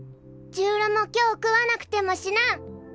じゅーろも今日食わなくても死なん！